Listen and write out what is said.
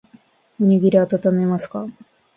おにぎりあたためますか。